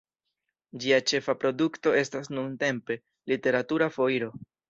Ĝia ĉefa produkto estas nuntempe "Literatura Foiro".